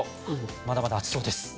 まだまだ暑そうです。